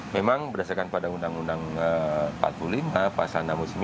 memang berdasarkan pada undang undang empat puluh lima pasal enam puluh sembilan